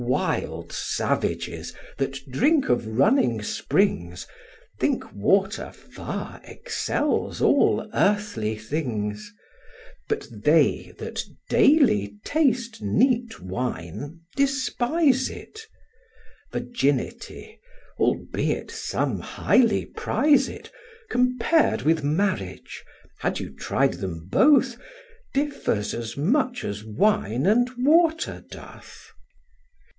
Wild savages, that drink of running springs, Think water far excels all earthly things; But they, that daily taste neat wine, despise it: Virginity, albeit some highly prize it, Compar'd with marriage, had you tried them both, Differs as much as wine and water doth.